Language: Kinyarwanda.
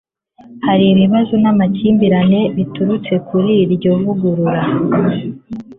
hari ibibazo n'amakimbirane biturutse kuri iryo vugurura